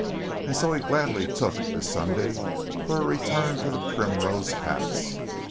And so he gladly took this Sunday for a return to the primrose paths.